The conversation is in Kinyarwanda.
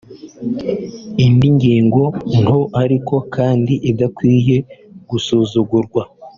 Indi ngingo nto ariko kandi idakwiye gusuzugurwa